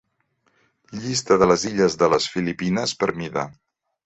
Llista de les illes de les Filipines per mida.